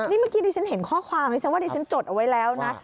นี่เมื่อกี้ดิฉันเห็นข้อความดิฉันว่าดิฉันจดเอาไว้แล้วนะ